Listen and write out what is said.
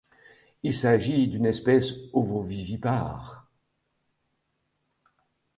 Il s'agit d'une espèce ovovivipare.